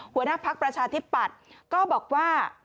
หัวหน้าภักดิ์ประชาธิบัตรก็บอกว่า